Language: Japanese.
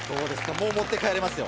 もう持って帰れますよ。